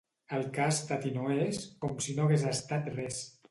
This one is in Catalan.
El que ha estat i no és, com si no hagués estat res.